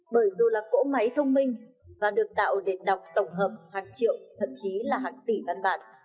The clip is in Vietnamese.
bởi dù là cỗ máy thông minh và được tạo để đọc tổng hợp hàng triệu thậm chí là hàng tỷ văn bản